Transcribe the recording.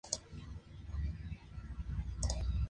Su sede se encontraba en la ciudad de Nueva York.